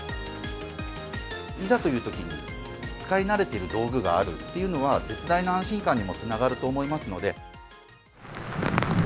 いざというときに、使い慣れている道具があるというのは、絶大な安心感にもつながると思いますので。